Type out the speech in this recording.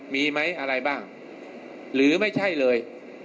มีไหมอะไรบ้างหรือไม่ใช่เลย